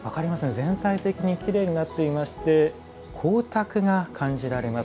全体的にきれいになっていまして光沢が感じられます。